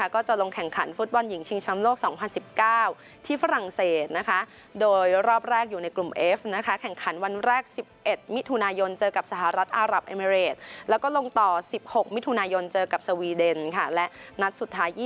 ก็จะลงแข่งขันฟุตบอลหญิงชิงช้ำโลก๒๐๑๙ที่ฝรั่งเศส